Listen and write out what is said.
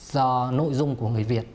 do nội dung của người việt